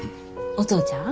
お父ちゃん。